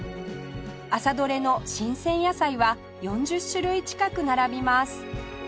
朝どれの新鮮野菜は４０種類近く並びます